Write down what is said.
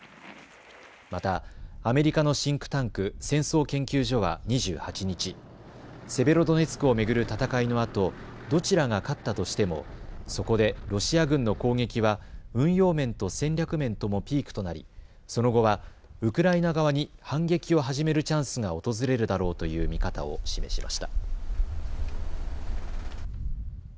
またアメリカのシンクタンク戦争研究所は２８日セベロドネツクを巡る戦いのあとどちらが勝ったとしてもそこでロシア軍の攻撃は運用面と戦略面ともピークとなりその後はウクライナ側に反撃を始めるチャンスが訪れるだろうという見方を示しました。